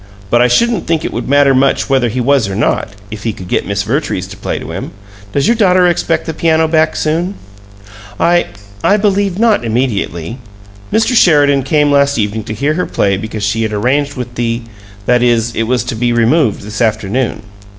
But I shouldn't think it would matter much whether he was or not, if he could get Miss Vertrees to play to him. Does your daughter expect the piano back soon?" "I I believe not immediately. Mr. Sheridan came last evening to hear her play because she had arranged with the that is, it was to be removed this afternoon.